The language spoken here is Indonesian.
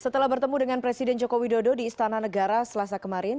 setelah bertemu dengan presiden joko widodo di istana negara selasa kemarin